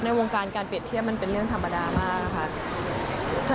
วงการการเปรียบเทียบมันเป็นเรื่องธรรมดามากค่ะ